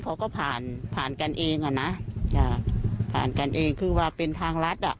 เขาก็ผ่านกันเองนะผ่านกันเองคือว่าเป็นทางลัด